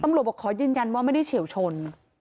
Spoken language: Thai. ตำรวจบอกขอยืนยันว่าไม่ได้เฉี่ยวชน